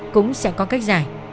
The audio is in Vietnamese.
cũng sẽ có cách giải